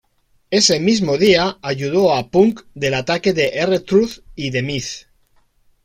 Ese mismo día, ayudó a Punk del ataque de R-Truth y The Miz.